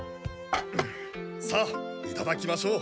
さあいただきましょう。